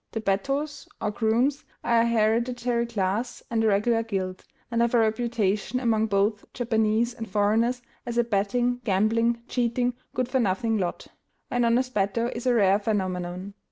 The bettōs, or grooms, are a hereditary class and a regular guild, and have a reputation, among both Japanese and foreigners, as a betting, gambling, cheating, good for nothing lot. An honest bettō is a rare phenomenon.